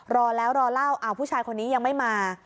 รอแล้วรอเล่าผู้ชายคนนี้ยังไม่มา